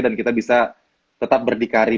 dan kita bisa tetap berdikari